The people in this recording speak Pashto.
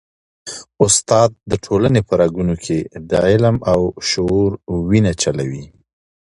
استاد د ټولني په رګونو کي د علم او شعور وینه چلوي.